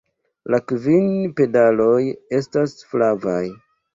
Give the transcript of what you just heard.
La kvin petaloj estas flavaj.